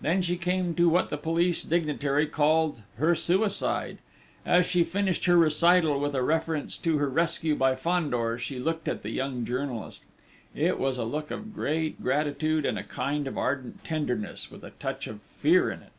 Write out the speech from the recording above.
Then she came to what the police dignitary called "her suicide." As she finished her recital with a reference to her rescue by Fandor, she looked at the young journalist. It was a look of great gratitude and a kind of ardent tenderness, with a touch of fear in it.